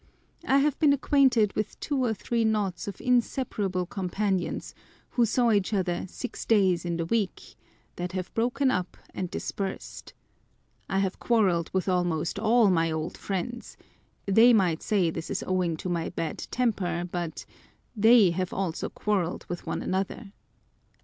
I have been acquainted with two or three knots of inseparable companions, who saw each other " six days in the week," that have broken up and â€¢dispersed. I have quarrelled with almost all my old friends, (they might say this is owing to my bad temper, but) they have also quarrelled with one another.